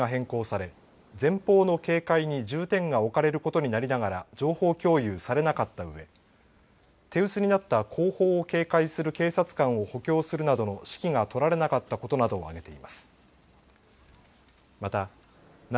報告書では演説の直前に警察官の配置が変更され前方の警戒に重点が置かれることになりながら情報共有されなかったうえ手薄になった後方を警戒する警察官を補強するなどの指揮がとられなかったことなどを挙げています。